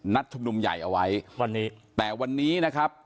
ชุมนุมใหญ่เอาไว้วันนี้แต่วันนี้นะครับ